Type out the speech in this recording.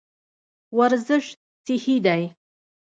ورزش صحي دی.